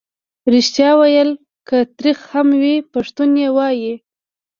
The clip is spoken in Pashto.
ریښتیا ویل که تریخ هم وي پښتون یې وايي.